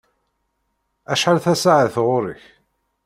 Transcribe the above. Acḥal tasaɛet ɣer-k?